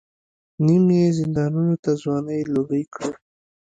نیم یې زندانونو ته ځوانۍ لوګۍ کړې.